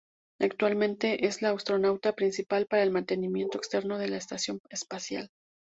Actualmente es la astronauta principal para el mantenimiento externo de la Estación Espacial.